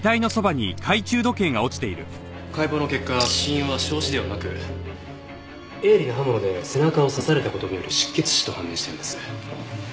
解剖の結果死因は焼死ではなく鋭利な刃物で背中を刺された事による失血死と判明したようです。